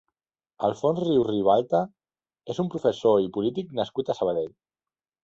Alfons Rius Ribalta és un professor i polític nascut a Sabadell.